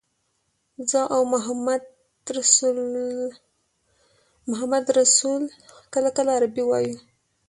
زه او محمدرسول کله کله عربي وایو.